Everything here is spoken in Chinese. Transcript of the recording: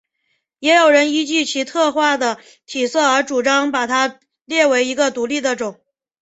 也有人依据其特化的体色而主张把它列为一个独立的种。